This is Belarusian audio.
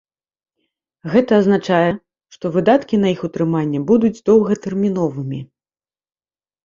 Гэта азначае, што выдаткі на іх утрыманне будуць доўгатэрміновымі.